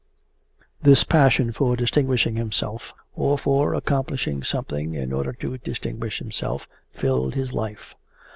This passion for distinguishing himself, or for accomplishing something in order to distinguish himself, filled his life.